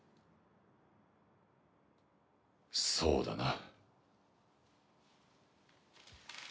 そうだな。